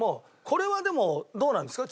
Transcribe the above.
これはでもどうなんですか？